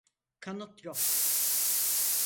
Kanıt yok.